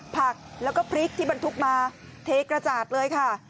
ผักแล้วก็พริกที่บรรทุกมาเทกระจาดเลยค่ะ